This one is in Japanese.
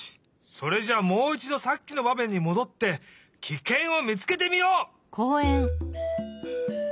それじゃもういちどさっきのばめんにもどってキケンを見つけてみよう！